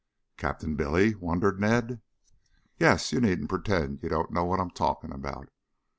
"Captain Billy?" wondered Ned. "Yes. You needn't pretend you don't know what I'm talking about."